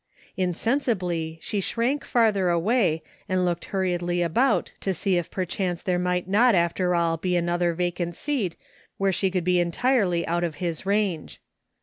Insensibly she shrank farther away and looked hurriedly about to see if perchance there might not after all be another vacant seat where she could be entirely out of his range.